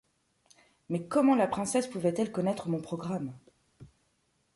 Mais comment la princesse pouvait-elle connaître mon programme!